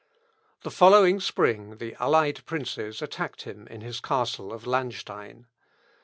The following spring, the allied princes attacked him in his castle of Landstein.